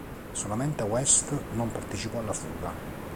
Solamente West non partecipò alla fuga.